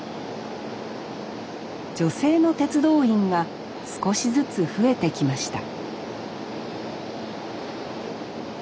女性の鉄道員が少しずつ増えてきました